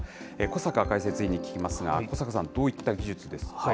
小坂解説委員に聞きますが、小坂さん、どういった技術ですか。